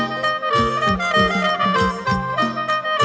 สวัสดีครับสวัสดีครับ